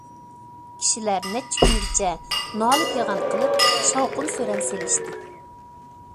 كىشىلەر نەچچە كۈنگىچە نالە- پىغان قىلىپ، شاۋقۇن- سۈرەن سېلىشتى.